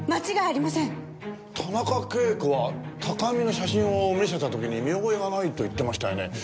田中啓子は高見の写真を見せた時に見覚えがないと言ってましたよね。